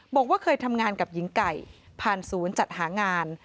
บอกว่าเคยทำงานกับหญิงไก่ผ่านศูนย์จัดหางาน